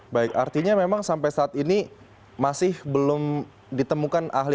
baik artinya memang sampai saat ini masih belum ditemukan ahli